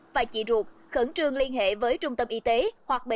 và trị ruột khẩn trương liên hệ với trung tâm y tế hoặc bệnh viện